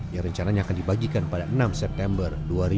yang rencananya akan dibagikan pada enam september dua ribu dua puluh